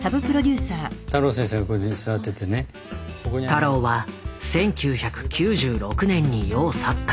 太郎は１９９６年に世を去った。